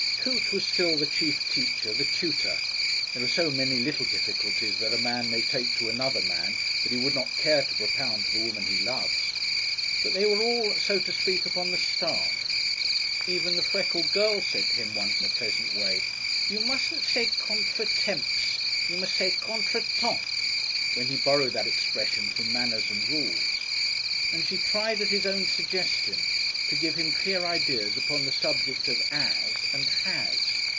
Coote was still the chief teacher, the tutor there are so many little difficulties that a man may take to another man that he would not care to propound to the woman he loves but they were all, so to speak, upon the staff. Even the freckled girl said to him once in a pleasant way, "You mustn't say "contre temps," you must say "contraytom,"" when he borrowed that expression from "Manners and Rules," and she tried at his own suggestion to give him clear ideas upon the subject of "as" and "has."